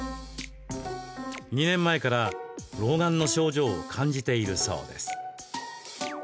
２年前から老眼の症状を感じているそうです。